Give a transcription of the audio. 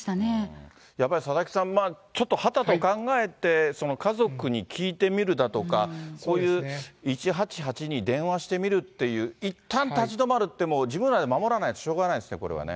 やっぱり佐々木さん、ちょっとはたと考えて、家族に聞いてみるだとか、こういう１８８に電話してみるっていう、いったん立ち止まるって、もう自分らで守らないとしょうがないですね、これはね。